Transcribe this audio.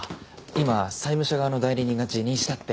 今債務者側の代理人が辞任したって。